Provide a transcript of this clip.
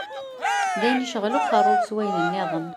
D ayen yecɣel uqerruy-iw s wayen-nniḍen.